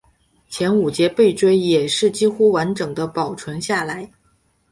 前五节背椎也是几乎完整地保存下来。